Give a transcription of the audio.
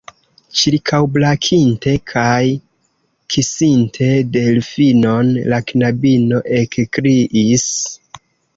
Ĉirkaŭbrakinte kaj kisinte Delfinon, la knabino ekkriis: